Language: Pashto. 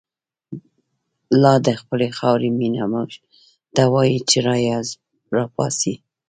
لادخپلی خاوری مینه، موږ ته وایی چه راپاڅئ